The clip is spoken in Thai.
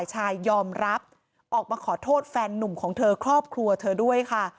หนุ่มของเธอครอบครัวเธอด้วยค่ะ